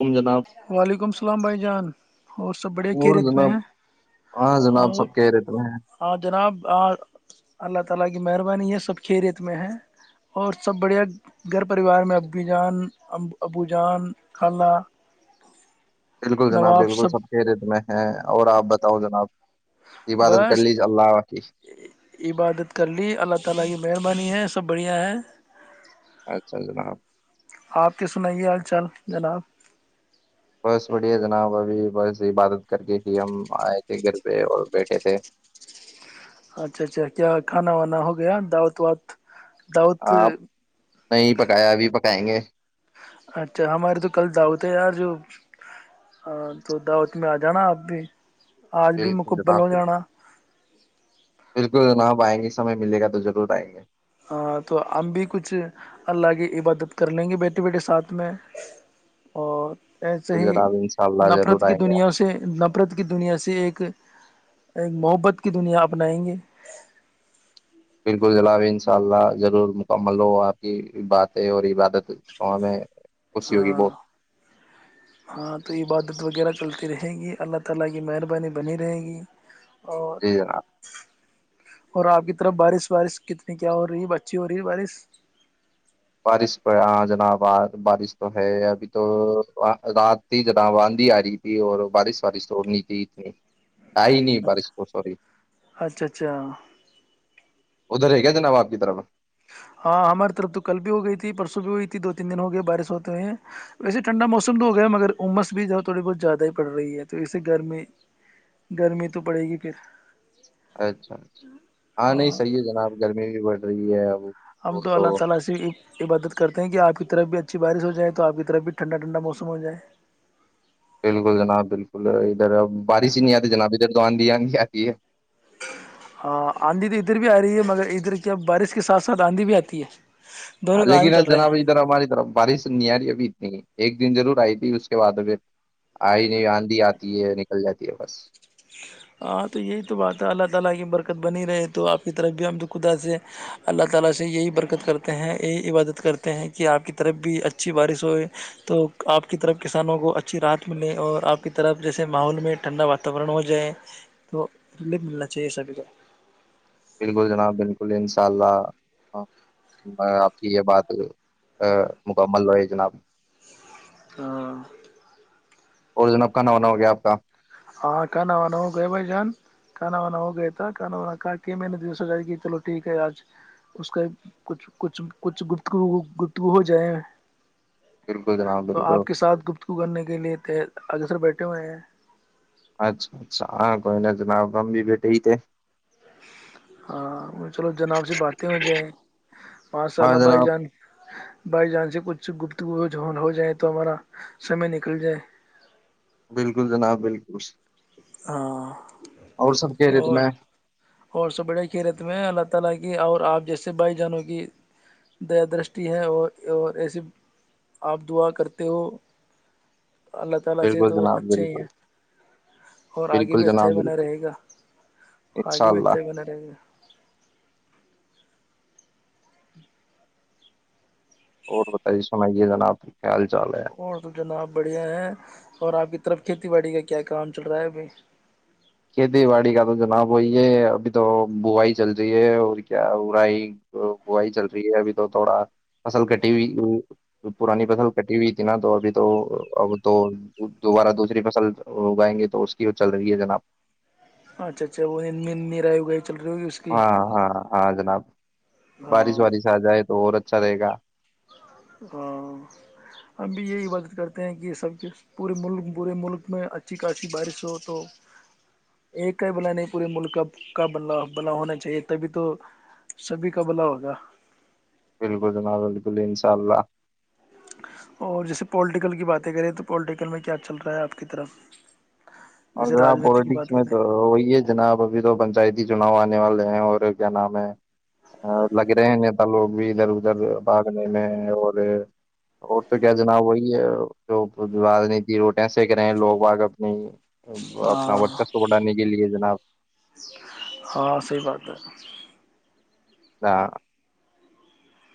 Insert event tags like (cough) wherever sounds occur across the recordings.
تم جناب وعلیکم اللام بھائی جان اور سب بڑھیا کی اور ریت میں جناب ہیں ہاں جناب سب کہہ رہے تمہیں ہاں جناب ہ اللہ (inaudible) بالکل جناب بالکل سب کے ریت میں ہے اور آبت ہو جا اپ عبادت کر لیجیے اللہ کی (unintelligible) سب بڑھیا ہے اچھا جناب آپ کے سنائیے حال چال جناب بس بڑیا جناب ابھی بس عبادت کر کےے کہ ہم آئے تھے گھر پہ اور بیٹھے تھے اچھا اچھا کیا کھانا وانا ہو گیا دعوت وت آاں نہیں پکایا ابھی پک پائیں گے اچھا ہمارے تو کل داوت ہے یار جو تو دعوت میں آ جانا آپ بھی آج ل بھی ن مکمل ہو جانا پلک نپ آئ گے سمے ملے گ توضرور آئیں گے ہاں تو ہم بھی کچھ اللہ کی عبادت کر لیں گے بیٹے بیٹے ساتھ میں اور ایسے بالکل ہی جناب ان شاء اللہ نفرت ضرور کی آئیں گے ہم دنیا سے نفرت کی دنیا سے ایک ایک محبت کی دنیا اپنائیں گے بالکل جناب ان شاء اللہ ضرور مکمل ہو آپ کی باتیں اور عبادت ہمیں خوشی ہوگی ہاں بہت ہاں تو یہ بات (unintelligible) جی جناب (unintelligible) اور آپ کی طرف بارش وارش کتنی کیا ہو رہی ہے اچھی ہو رہی ہے بارش (unintelligible) بارش پ ہاں جنا بارش تو ہے ابھی تو رات تھی جنا آندھی آ رہی تھی اور بارش وارش توڑنی تھی اتنی (unintelligible) تئی نہیں بڑس اچھا ب سوری (unintelligible) اچھا اچھا ادھر ہے کیا جناب آپ کی طرف (unintelligible) ہاں ہماری طرف تو کل بھی ہو گئی تھی پرسوں بھی ہوئی تھی دو تین دن ہو گئے بارش ہوتے ہو ہیں ویسے ٹھنڈا موسم تو ہو گیا مگر عمس بھی ج تھوڑی بہت زیادہ ہی پڑ رہی ہے تو وسے گرمی گرمی تو پڑے گی کہ (unintelligible) اچھا اچھا ہاں نہیں صحیح ہے جناب گرمی بھی بڑھ (unintelligible) رہی ہے (unintelligible) (unintelligible) تو اچھی بارش ہو جائے تو آپ کی طرف بھی ٹھنڈا ٹھنڈا موس ہو جائے (unintelligible) بالکل جناب بالکل (unintelligible) ا بارش ہی نہیں آتی جناب ادھر تو آ (unintelligible) بریانی کیا چ ہے (unintelligible) ہاں آندھی تو ادھر بھی آ رہی ہے مگر ادھر کیا بارش کے ساتھ ساتھ آندھی بھی آتی ہے (unintelligible) اں دونوں کام لیکن ہی چل رہے ہیں جناب ادھر ہماری طرف بارش نہیں آ رہی ابھی اتنی ہی (unintelligible) ایک دن ضرور آئی تھی اس کے بعد آئی (unintelligible) آدندھی آتی ہے (unintelligible) چل جاتی ہے بس (unintelligible) (unintelligible) ج تو رف ملنا چاہیے سبھی کو (unintelligible) بالکل جناب بالکل انشاء اللہ آپ کی یہ بات مکمل ہوی جناب (unintelligible) ہاں (unintelligible) اور جناب کہ نہ ہونا ہو گیا آپ کا (unintelligible) ہاں کھانا وانا ہو گیا بھائی جان کھانا وانا ہو گیا تھا کھانا وانا کہا کے میں نے د س جاری کی چلو ٹھیک ہے آج اس کا کچھ کچھ کچھ گتگو گفتگو ہو جائے (unintelligible) بالکل جناب تو بالکل آپ کے ساتھ گفتگو کرنے کے لیے (unintelligible) تو اگر سر بیٹھے ہوئے ہیں (unintelligible) اچھا اچھا ہاں کوئی ن جنا گم بھی بیٹے تھ (unintelligible) ہاں چلو جناب سے باتیں ہو جائیں پانچ ہاں سالہ بائی جناب جان بائی جان سے کچھ گپ (unintelligible) تو وہ ج ہو جائے تو ہمارا سمے نکل جائے (unintelligible) بالکل جناب بالکل ہاں (unintelligible) اور سب کے ریت اور میں (unintelligible) (unintelligible) بالکل جناب بالکل بالکل جناب بالکل (unintelligible) ان شاء بگی وچن اللہ (unintelligible) اور بتائیے سنائیے جنا آب (unintelligible) اور تو جناب بڑھیا ہے اور آپ کی (unintelligible) طرف کھیتی باڑی کا کیا کام چل رہا ہے ابھی (unintelligible) کھیتی باڑی کا تو جناب وہی ہے ابھی تو بووائی چل رہی ہے اور کیا برائی بوائی چل رہی ہے ابھی تو تھوڑا فصل کٹی ہوئی پرانی فصل کٹی ہوئی تھی نا تو ابھی تو اب تو دوبارہ دوسری فصل اگائیں گے تو اس کی چل رہی ہے جناب اچھا اچھا وہ نہیں رہی گئے چل رہی ہوگی اس کی ہاں ہاں ہاں جناب بارش ہاں وارش آ جائے تو اورھ چلے گا (unintelligible) ہاں ہمب بھی یہی بات کرتے ہیں کہ سب کے پورے ملک پورے ملک میں اچھی خاصی بارش ہو تو ایک کا ہی بھلا نہیں پورے ملک کا کا بلا بلا ہونا چاہیے تبھی تو سبھی کا بھلا ہوگا بالکل جناکل انشاء اللہ اور جیسے پولیٹیکل کی باتیں کریں تو پویٹیکل میں کیا چل رہا ہے آپ کی طرف اور جیسے جناب راجنیتی کی پالیٹکس بات میں کریں تو وہی ہے جناب ابھی تو پنچایت چناؤ آنے والے ہیں اور کیا نام ہے لگ رہے ہیں نیتا لوگ بھی ادھر ادھر بھاگنے میں اور اور تو کیا جناب وہی ہے جو رانیتی روٹیں سک رہے ہیں لوگ باگ اپنی ا اپنا ہاں ورچ (unintelligible) ہ س بڑانے کے لیے جناب ہاں صحیح بات ہے ہاں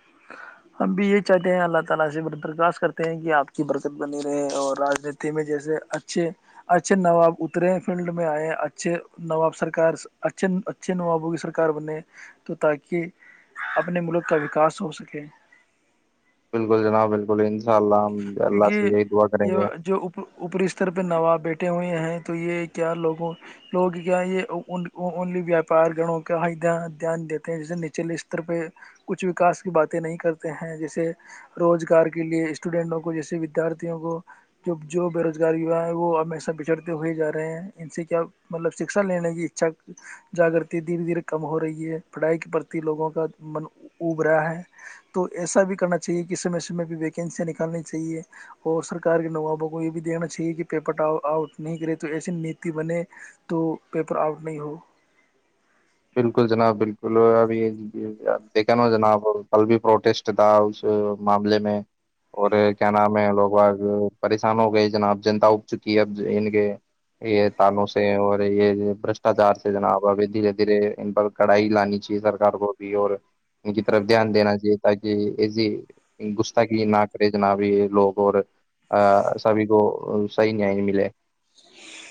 (unintelligible) سو سکے (inaudible) بالکل جناب بالکل اللہ ہم اللہ کیونکہ سے یہی دعا کریں گے یہ جو اوپری استر پہ نواب بیٹے ٹے ہوئے ہیں تو یہ کیا لوگوں لوگ کیا یہ الی ویاپار گنوں کا دھیان دیتے ہیں جیسے نچلے استر پہ کچھ وکاس کی باتیں نہیں کرتے ہیں جیسے روزگار کے لیے اسٹوڈینٹوں کو جیسے ودیارتھیوں کو جو جو بےروزگار یوا ہیں وہ ہمیشہ بچھڑتے ہوئے جا رہے ہیں ان سے کیا مطلب شکھا لینے کی اچھا جاگرتی دھیرے دھیرے کم ہو رہی ہے پڑھائی کے پرتی لوگوں کا من اب رہا ہے تو ایسا بھی کرنا چاہیے کہ سمے سمے بھی ویکینسیاں نکل کرنی چاہیے اور سرکار کے نوابوں کو یہ بھی دیکھنا چاہیے کہ پیپر آؤٹ نہیں کرے تو ایسی نیتی بنے تو پیپر آؤٹ نہیں ہو بالکل جناب بالکل ابھی یہ دیکھا نا جناب کل بھی پروٹیسٹ تھا اس معاملے میں اور کیا نام ہے لوگ بگ پریشان ہو گئی جناب جنتا اگ چکی ہے اب ان کے یہ تالوں سے اور یہ بشٹاچار سے جناب ابھی دے دھیرے ان پر کڑھائی لانی چاہیے سرار کو بھی اور ان کی طرف دھیان دینا چاہیے تاکہ ایسی گستا کیی نہ کرے ج نہ بھی لوگ اور سبھی کو صحیح ن ملے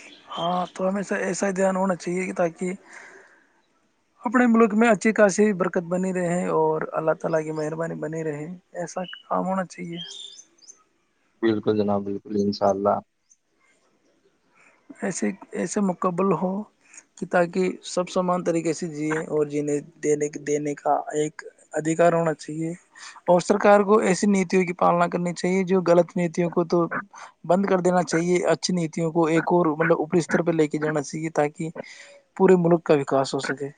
(unintelligible) بالکل جناب بالکل انشاء اللہ ایسے ایسے مکمل ہو کہ تاکہ سب سامان طریقے کسی جی اور جییں دینے دینے کا ایک ادھیکار ہونا چاہیے اور سرک کو ایسی نیتیوں کی پالنا کرنی چاہیے جو غلط نیتیوں کو تو بند کر دینا چاہیے اچھی نیتیوں کو ایک (unintelligible) کو مطلب اوپری استر پہ لے کے جانا چاہیے تاکہ پورے ملک کا وکاس ہو سکے (unintelligible)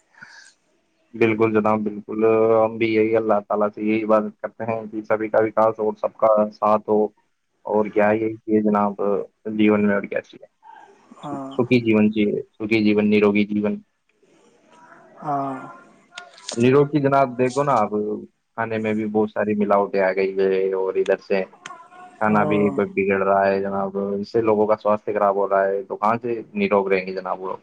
(unintelligible) سکی جین چ (inaudible) سکھی ہاں جیون نروگی جیون ہاں (unintelligible) اب نیرو کی جناب دیکھو نا اپ کھانے میں بھی بہت ساری ملاوٹیں آ گئی اور ادھر سے کھانا بھی یہ ہاں پ بگڑ رہا ہے جناب اس سے لوگوں کا سواستھ خراب ہو رہا ہے تو کہاں سے نروگ رہیں گے جناب وہ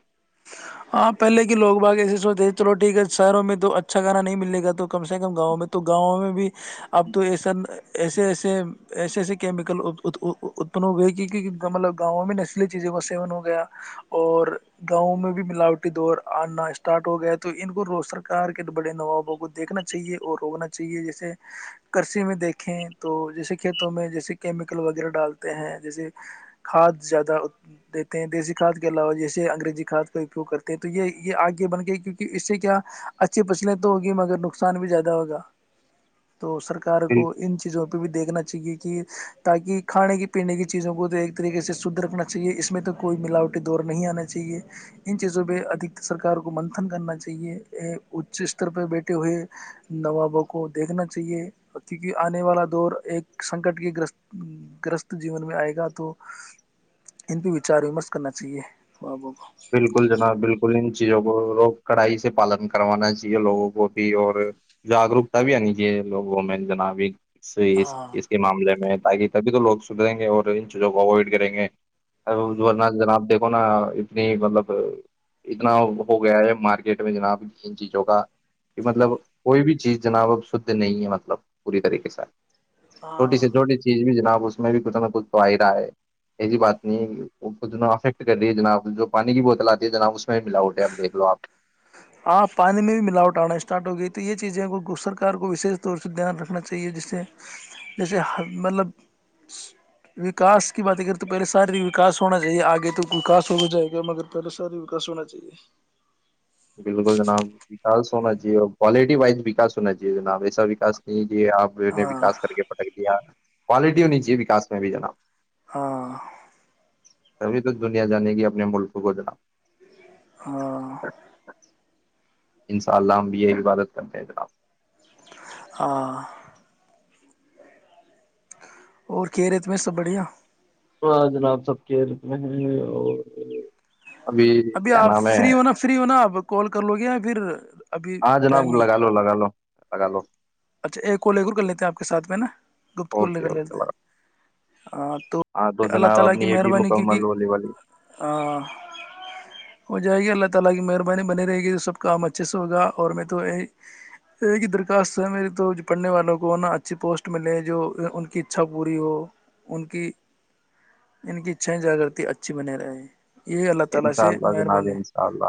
ہاں پہلے کے لوگ باگ ایسے سوچے چلو ٹھیک ہے شہروں میں تو اچھا گانا نہیں ملے گا تو کم سے کم گاؤں میں تو گاؤں میں بھی اب تو ایسا ایسے ایسے ایسے ایسے کیمیکل اتپن ہو گئے کیون مطلب گاؤں میں نسلی چیزوں کا سیون ہو گیا اور گاؤں میں بھی ملاوٹی دور آنا اسٹارٹ ہو گیا ہے تو ان کو رو سرکار کے بڑے نوابوں کو دیکھنا چاہیے اور روکنا چاہیے جیسے کرسیی میں دیکھیں تو جیسے کھیتوں میں جیسے کیمیکل وغیرہ ڈالتے ہیں جیسے کھاد زیادہ دیتے ہیں دیسی کھاد کے علاوہ جیسے انگریزی کھاد کو کرتے ہیں تو یہ یہ آگے بن گئے کیونکہ اس سے کیا اچھی فصلیں تو ہوگی مگر نقصان بھی زیادہ ہوگا (unintelligible) تو سرکار پھر کو ان چیزوں بھی دیکھنا چاہیے کہ تاکہ کھانے کی پینے کی چیزوں کو تو ایک طریقے سے شدھ رکھنا چاہیے اس میں تو کوئی ملاوٹی دور نہیں آنا چاہیے ان چیزوں پہ ادھ سرکار کو منتن کرنا چاہیے اچ استر پہ بیٹھے ہوئے نوابوں کو دیکھنا چاہیے کیونکہ آنے والا دور ایک سنکٹ کے گ گرست جیون میں آئے گا تو ان پہ وچار ومرش کرنا چاہیے نوابوں کو بالکل جناب بالکل ان چیزوں کو لوگ کڑائی سے پالن کروانا چاہیے لوگوں کو بھی اور جاگروکتا بھی آنی چاہیے لوگوں میں جناب ایک سی ہاں اس کے معاملے میں تاکہ تبھی تو لوگ سھریں گے اور ان چیزوں کو اوائڈ کریں گے اورنہ جنا آپ دیکھو نا اتنی مطلب اتنا ہو گیا ہے مارکیٹ میں جناب ان چیزوں کا کہ مطلب کوئی بھی چیز جناب اب شھ نہیں ہے مطلب پوری طریقے سے ہاں چھوٹی سے چھوٹی چیز بھی جناب اس میں بھی کچھ نہ کچھ تو آئ رہا ہے ایسی بات نہیں ہے وہ کھ ن افیکٹ کر رہی جناب جو پانی کی بوت آ ہےناب اس سے ہاں پانی میں بھی ملاوٹ آنا اسٹارٹ ہو گئی تو یہ چیزیں کو سرک کو وش طور سے دھیان رکھنا چاہیے جسے جیسے مطلب وکاس کی بات کریں تو پہلے شاریاس ہونا چاہیے آگے تو وکاس ہو جائے گا مگر پہل شاریا ہونا چاہیے (unintelligible) بالکل جناب وکس ہونا چاہیے اور کوالٹی وائز وکاس ہونا چاہیے جناب ایسا وکا نہیں یہ آپ نے ہاں وکاس کر کے پٹک دیا کوالٹی ہونی چاہے وکا میں بھی جناب ہاں ابھی توک دنیا جانے گی اپنے ملکوں کو جناب ہاں انشاء اللہ ہم بھی یہ عبادت کرتے ہیں جناب (unintelligible) اور کہ رےت میں سب بڑھیا ہ جناب سب کھیل میں ہیں اور ابھی کیا آپ نام ہے فری ہونا فری ہونا آپ کال کر لو گے پھر ابھی ہاں ٹائم جناب نہیں لگا لو لگا لو لگا لو اچھا ایک اورولے کر لیتے ہیں آپ کے ساتھ میں نا گپتگور لے اوکے کر لیتے اوکے ہیں (unintelligible) ہاں تو جناب بنے اپنی یہ بھی مکمل ہونے والی رہے گی تو سب کام اچھے سے ہوگا اور میں تو درخاست سر میری تو پڑھنے والوں کو نہا اچھی پوسٹ ملے جو ان کی اچھا پوری ہو ان کی ان کی اچھائیں جاگرتی اچھی بنے رہے (unintelligible) انشاء اللہ جناب انشاء اللہ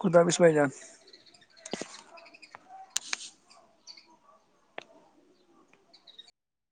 خدابس بھائی جان